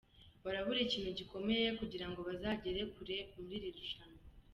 Barabura ikintu gikomeye kugira ngo bazagere kure muri iri rushanwa.